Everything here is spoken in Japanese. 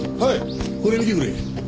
これ見てくれ。